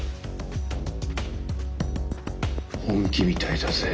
本気みたいだぜ。